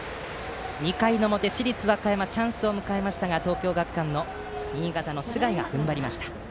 ２回の表、市立和歌山チャンスを迎えましたが東京学館新潟の須貝が踏ん張りました。